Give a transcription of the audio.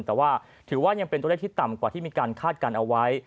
แต่ว่าถือว่ายังเป็นตัวเลขที่ต่ำกว่าที่มีการคาดการณ์เอาไว้